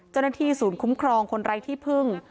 เจ้าหน้าที่ศูนย์คุ้มครองคนไร้ที่พึ่ง